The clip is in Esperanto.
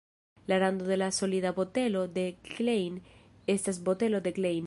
La rando de la solida botelo de Klein estas botelo de Klein.